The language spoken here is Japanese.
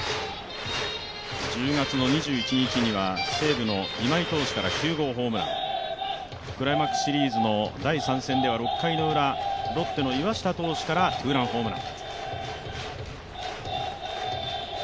１０月２１日には西武の今井投手から９号ホームラン、クライマックスシリーズの第３戦では６回ウラ、ロッテの岩下投手からツーランホームラン。